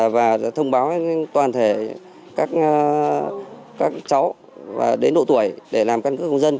và thông báo toàn thể các cháu đến độ tuổi để làm căn cứ công dân